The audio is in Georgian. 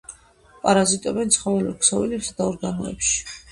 პარაზიტობენ ცხოველურ ქსოვილებსა და ორგანოებში.